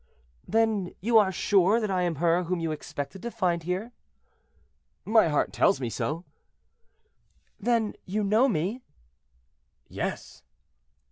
"Then you are sure that I am her whom you expected to find here?" "My heart tells me so." "Then you know me?" "Yes."